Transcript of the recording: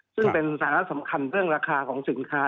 ซึ่งเป็นสถานะสำคัญเรื่องราคาของสินค้า